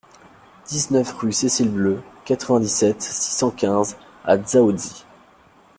dix-neuf rue Cecile Bleue, quatre-vingt-dix-sept, six cent quinze à Dzaoudzi